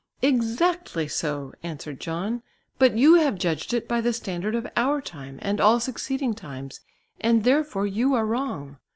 "Exactly so," answered John, "but you have judged it by the standard of our time and all succeeding times, and therefore you are wrong.